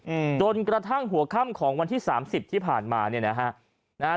อืมจนกระทั่งหัวค่ำของวันที่สามสิบที่ผ่านมาเนี่ยนะฮะนะฮะ